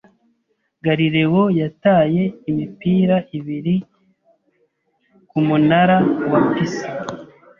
Galileo yataye imipira ibiri ku Munara wa Pisa.